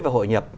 và hội nhập